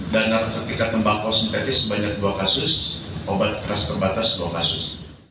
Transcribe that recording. dan narkotika tembakau sintetis sebanyak dua kasus obat keras terbatas dua kasus